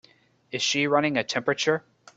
Is she running a temperature?